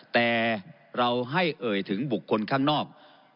แต่เราให้เอ่ยถึงบุคคลข้างนอก